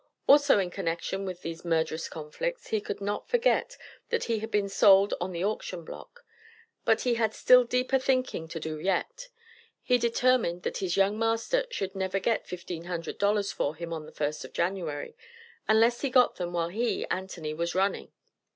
Also in connection with these murderous conflicts, he could not forget that he had been sold on the auction block. But he had still deeper thinking to do yet. He determined that his young master should never get "fifteen hundred dollars for him on the 1st of January," unless he got them while he (Anthony) was running.